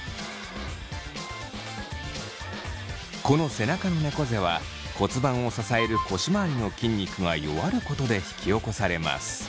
この背中のねこ背は骨盤を支える腰まわりの筋肉が弱ることで引き起こされます。